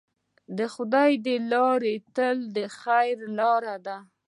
د خدای لاره تل د خیر لاره ده.